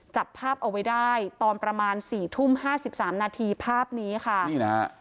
จับภาพเอาไว้ได้ตอนประมาณสี่ทุ่มห้าสิบสามนาทีภาพนี้ค่ะนี่นะฮะ